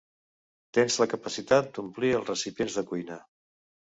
Tens la capacitat d'omplir els recipients de cuina.